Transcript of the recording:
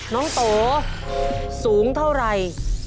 น้องโตสูงเท่าไหร่